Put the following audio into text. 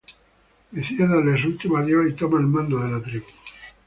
Decide darle su último adiós y toma el mando de la tribu.